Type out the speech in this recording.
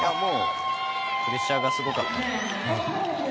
プレッシャーがすごかったので。